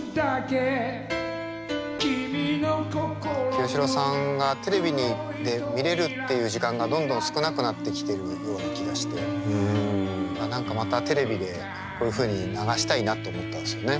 清志郎さんがテレビで見れるっていう時間がどんどん少なくなってきてるような気がして何かまたテレビでこういうふうに流したいなと思ったんですよね。